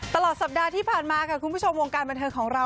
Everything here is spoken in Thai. ตลอดสัปดาห์ที่ผ่านมาค่ะคุณผู้ชมวงการบันเทิงของเรา